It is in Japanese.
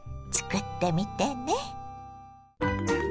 作ってみてね。